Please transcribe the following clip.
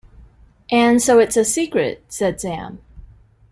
‘And so it’s a secret?’ said Sam.